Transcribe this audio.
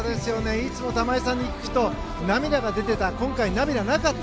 いつも玉井さんに聞くと涙が出てましたが今回、涙がなかった。